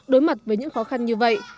đối mặt với những khó khăn như vậy